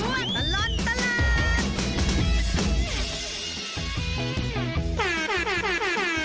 ช่วงตลอดตลาด